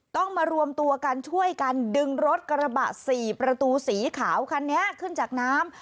ต้องมารวมตัวกันช่วยกันดึงรถกระบะ๔ประตูสีขาวคันนี้ขึ้นจากน้ำ